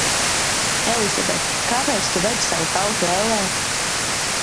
Elizabet, kāpēc tu ved savu tautu ellē?